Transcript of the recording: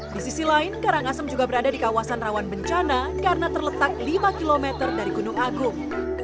di sisi lain karangasem juga berada di kawasan rawan bencana karena terletak lima km dari gunung agung